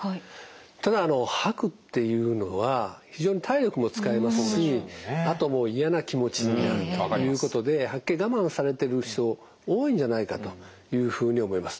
ただ吐くっていうのは非常に体力も使いますしあともう嫌な気持ちになるということで吐き気我慢されてる人多いんじゃないかというふうに思います。